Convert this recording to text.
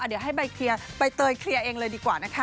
เดี๋ยวให้ใบเคลียร์ใบเตยเคลียร์เองเลยดีกว่านะคะ